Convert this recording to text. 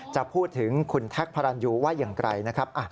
จะพูดถึงคุณแท็กพระรันยูว่าอย่างไรนะครับ